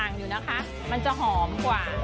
อยู่นะคะมันจะหอมกว่า